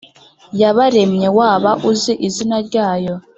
yabaremye Waba uzi izina ryayo